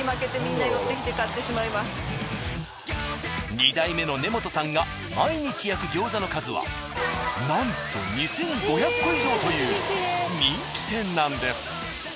２代目の根本さんが毎日焼く餃子の数はなんと２５００個以上という人気店なんです。